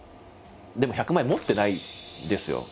でも１００万円持ってないんですよ。